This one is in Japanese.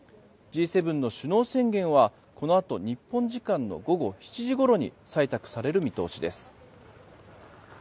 Ｇ７の首脳宣言はこのあと日本時間の午後７時ごろに採択される見通しです。